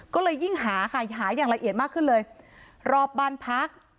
ก็เลยยิ่งหาค่ะหาอย่างละเอียดมากขึ้นเลยรอบบ้านพัก